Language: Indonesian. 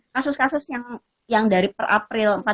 kasus kasus yang dari perapril